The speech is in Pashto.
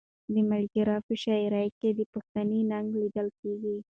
د ملکیار په شاعري کې پښتني ننګ لیدل کېږي.